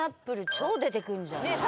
超出てくるじゃんねえ